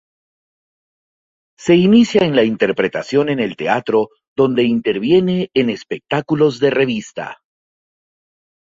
Se inicia en la interpretación en el teatro donde interviene en espectáculos de Revista.